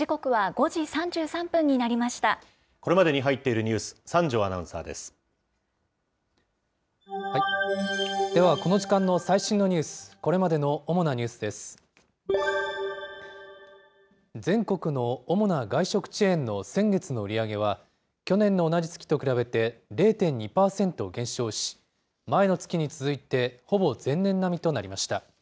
全国の主な外食チェーンの先月の売り上げは、去年の同じ月と比べて、０．２％減少し、前の月に続いて、ほぼ前年並みとなりました。